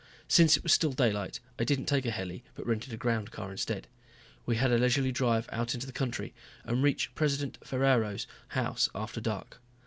Since it was still daylight I didn't take a heli, but rented a groundcar instead. We had a leisurely drive out into the country and reached President Ferraro's house after dark.